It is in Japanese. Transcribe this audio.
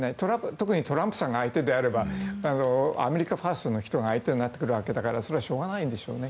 特にトランプさんが相手であればアメリカファーストの人が相手になってくるわけだからしょうがないんでしょうね。